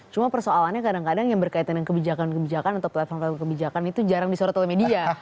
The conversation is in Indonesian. cuma persoalannya kadang kadang yang berkaitan dengan kebijakan kebijakan atau platform platform kebijakan itu jarang disorot oleh media